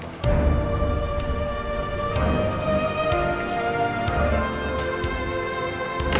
mengantarkan elsa kembali ke laplas